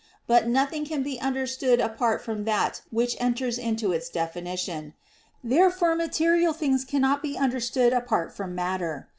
But nothing can be understood apart from that which enters into its definition. Therefore material things cannot be understood apart from matter.